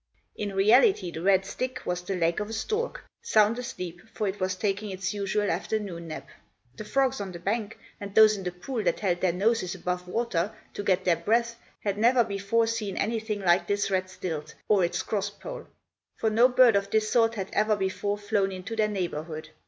In reality, the red stick was the leg of a stork, sound asleep, for it was taking its usual afternoon nap. The frogs on the bank, and those in the pool that held their noses above water, to get their breath, had never before seen anything like this red stilt, or its cross pole; for no bird of this sort had ever before flown into their neighborhood.